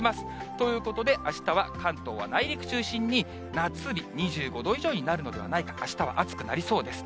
ということで、あしたは関東は内陸中心に夏日、２５度以上になるのではないか、あしたは暑くなりそうです。